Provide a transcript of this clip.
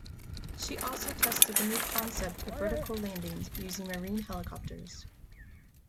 She also tested the new concept of vertical landings, using Marine helicopters.